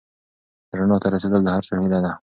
رڼا ته رسېدل د هر چا هیله ده.